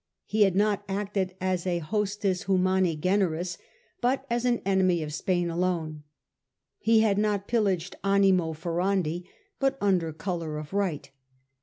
He had not acted as a hostis humani generis, but as an enemy of Spain alone; he had not pillaged animo furandiy but under colour of right.